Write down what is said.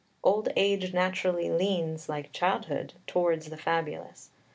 "Old age naturally leans," like childhood, "towards the fabulous."